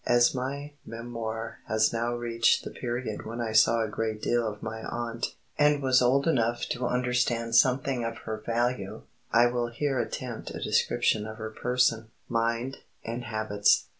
*] "As my memoir has now reached the period when I saw a great deal of my aunt, and was old enough to understand something of her value, I will here attempt a description of her person, mind, and habits.